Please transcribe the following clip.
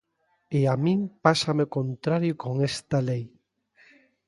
E a min pásame o contrario con esta lei.